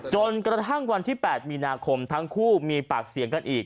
จนกระทั่งวันที่๘มีนาคมทั้งคู่มีปากเสียงกันอีก